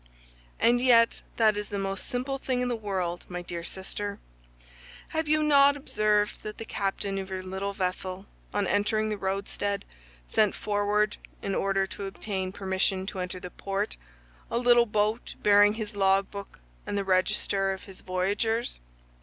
"And yet that is the most simple thing in the world, my dear sister. Have you not observed that the captain of your little vessel, on entering the roadstead, sent forward, in order to obtain permission to enter the port, a little boat bearing his logbook and the register of his voyagers?